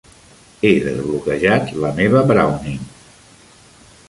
He desbloquejat la meva Browning!